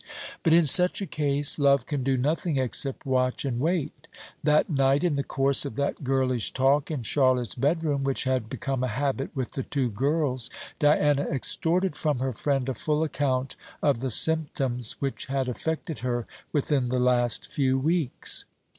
But in such a case love can do nothing except watch and wait. That night, in the course of that girlish talk in Charlotte's bedroom, which had become a habit with the two girls, Diana extorted from her friend a full account of the symptoms which had affected her within the last few weeks.